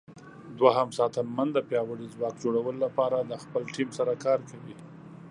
دوهم ساتنمن د پیاوړي ځواک جوړولو لپاره د خپل ټیم سره کار کوي.